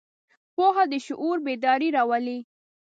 پوهه د شعور بیداري راولي.